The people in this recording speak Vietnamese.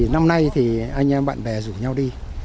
năm nay thì anh em bạn bè rủ nhau đi